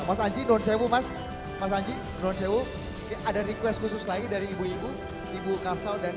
mas anji drone sewu mas mas anji drone sewu ada request khusus lagi dari ibu ibu ibu kasau dan